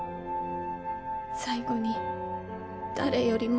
「最後に誰よりも」